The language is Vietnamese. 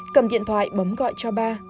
cầm điện thoại bấm gọi cho ba